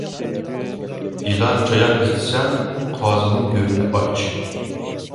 يىلان-چايان ئىزدىسەڭ، قازىنىڭ گۆرىنى ئاچ.